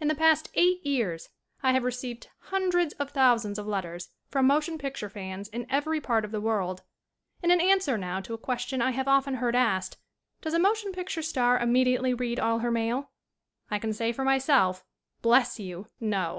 In the past eight years I have received hun dreds of thousands of letters from motion pic ture fans in every part of the world. In an swer now to a question I have often heard asked, "Does a motion picture star immediately read all her mail?" I can say for myself, "Bless you, no."